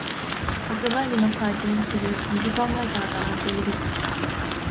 発売日の開店する二時間前から並んでいる。